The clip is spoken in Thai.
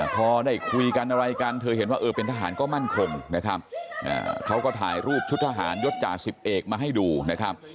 พอได้คุยกันอะไรกันเธอเห็นว่าเออเป็นทหารก็มั่นคงนะครับเขาก็ถ่ายรูปชุดทหารยศจ่าสิบเอกมาให้ดูนะครับ